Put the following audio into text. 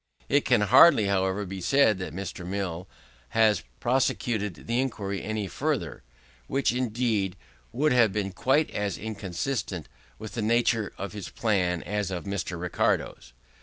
It can hardly, however, be said that Mr. Mill has prosecuted the inquiry any further; which, indeed, would have been quite as inconsistent with the nature of his plan as of Mr. Ricardo's.